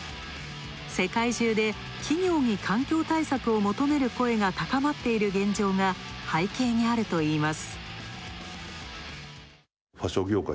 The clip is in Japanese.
世界中で企業に環境対策を求める声が高まっている現状が背景にあるといいます。